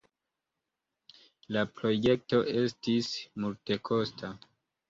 La projekto estis multekosta.